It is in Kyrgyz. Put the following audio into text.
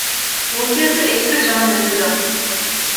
Бул жерде эч бир жаман нерсе жок.